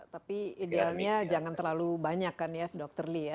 tapi idealnya jangan terlalu banyak kan ya dr lee ya